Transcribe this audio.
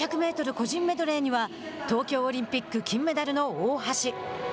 個人メドレーには東京オリンピック金メダルの大橋。